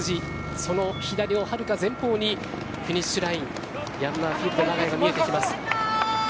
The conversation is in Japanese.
その左をはるか前方にフィニッシュラインヤンマーフィールド長居が見えてきます。